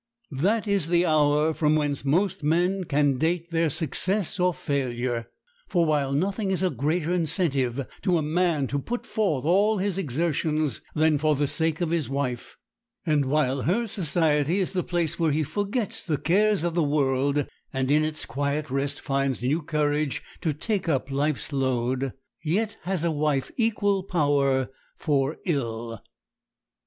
That is the hour from whence most men can date their success or failure; for while nothing is a greater incentive to a man to put forth all his exertions than for the sake of his wife, and while her society is the place where he forgets the cares of the world, and in its quiet rest finds new courage to take up life's load, yet has a wife equal power for ill.